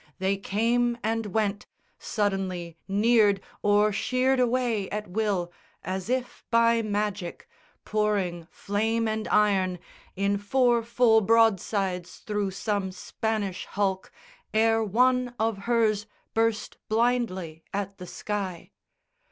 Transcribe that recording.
They came and went, Suddenly neared or sheered away at will As if by magic, pouring flame and iron In four full broadsides thro' some Spanish hulk Ere one of hers burst blindly at the sky.